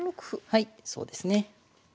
はいそうですね。